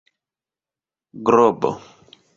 globo